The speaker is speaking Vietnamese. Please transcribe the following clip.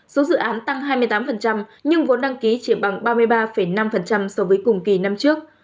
số dự án tăng hai mươi tám nhưng vốn đăng ký chỉ bằng ba mươi ba năm so với cùng kỳ năm trước